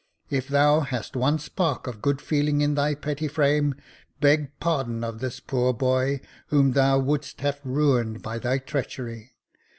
If thou hast one spark of good feeling in thy petty frame, beg pardon of this poor boy, whom thou wouldst have ruined by thy treachery.